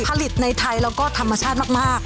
ผลิตในไทยแล้วก็ธรรมชาติมาก